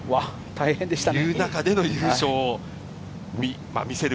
大変でしたね。